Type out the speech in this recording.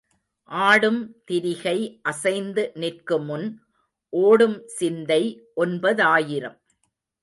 ஆடும் திரிகை அசைந்து நிற்குமுன் ஓடும் சிந்தை ஒன்பதாயிரம்.